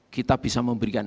kita bisa memberikan